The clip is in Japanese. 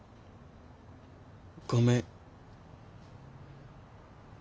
ごめん。